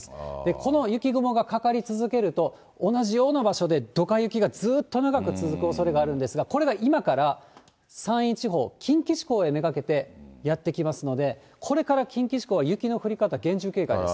この雪雲がかかり続けると、同じような場所でどか雪がずっと長く続くおそれがあるんですが、これが今から山陰地方、近畿地方へめがけてやって来ますので、これから近畿地方は雪の降り方、厳重警戒です。